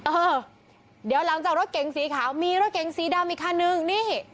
เออเดี๋ยวหลังจากรถเก๋งสีขาวมีรถเก๋งสีดำอีกคันนึงนี่